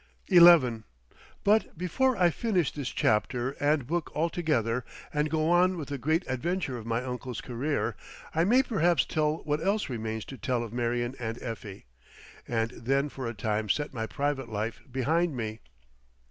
XI But before I finish this chapter and book altogether and go on with the great adventure of my uncle's career. I may perhaps tell what else remains to tell of Marion and Effie, and then for a time set my private life behind me.